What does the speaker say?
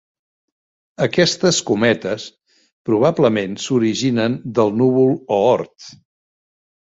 Aquestes cometes probablement s'originen del núvol Oort.